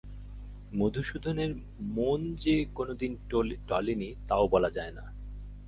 মধুসূদনের মন যে কোনোদিন টলে নি তাও বলা যায় না।